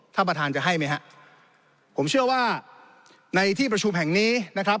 ท่านประธานจะให้ไหมฮะผมเชื่อว่าในที่ประชุมแห่งนี้นะครับ